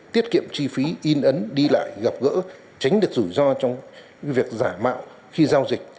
tiết kiệm chi phí in ấn đi lại gặp gỡ tránh được rủi ro trong việc giả mạo khi giao dịch